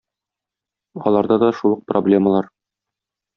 Аларда да шул ук проблемалар.